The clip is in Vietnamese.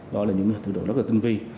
đó là những thứ rất là tinh vi